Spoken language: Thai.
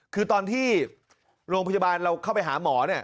คือตอนที่โรงพยาบาลเราเข้าไปหาหมอ